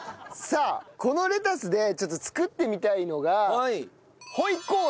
さあこのレタスでちょっと作ってみたいのが回鍋肉。